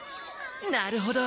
なるほど。